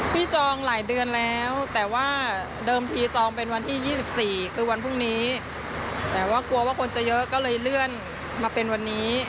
พี่จองหลายเดือนแล้วแต่ว่าเดิมทีจองเป็นวันที่๒๔คือวันพรุ่งนี้